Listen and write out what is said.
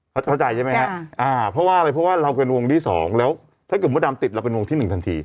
เข้าใจใช่ไหมฮะอ่าเพราะว่าอะไรเพราะว่าเราเป็นวงที่๒แล้วถ้าเกิดมดดำติดเราเป็นวงที่๑ทันที